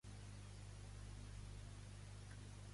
Crec que Georges estava intentant fer trampes?